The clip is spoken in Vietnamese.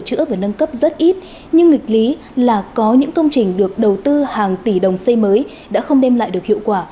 sửa và nâng cấp rất ít nhưng nghịch lý là có những công trình được đầu tư hàng tỷ đồng xây mới đã không đem lại được hiệu quả